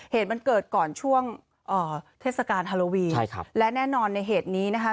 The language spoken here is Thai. เหตุมันเกิดก่อนช่วงเทศกาลฮาโลวีใช่ครับและแน่นอนในเหตุนี้นะคะ